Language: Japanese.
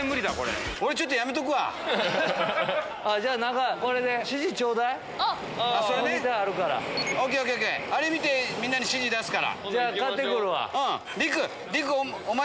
あれ見てみんなに指示出すから。